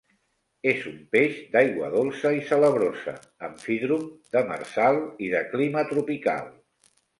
És un peix d'aigua dolça i salabrosa, amfídrom, demersal i de clima tropical.